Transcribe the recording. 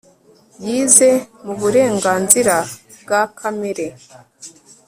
yize muburenganzira bwa kamere